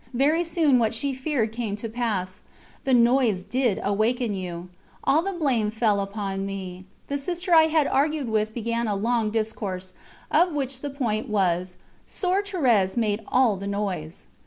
Very soon what she feared came to pass: the noise did awaken you. All the blame fell upon me; the Sister I had argued with began a long discourse, of which the point was: Soeur Thérèse made all the noise.